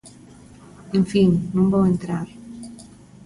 En fin, non vou entrar.